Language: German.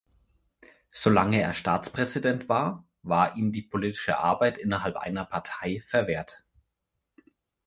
Solange er Staatspräsident war, war ihm die politische Arbeit innerhalb einer Partei verwehrt.